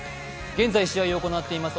現在試合を行っています